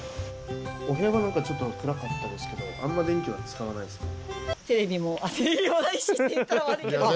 お部屋がなんかちょっと暗かったですけどあっそうなんですか。